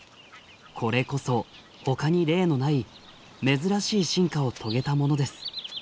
これこそほかに例のない珍しい進化を遂げたものです。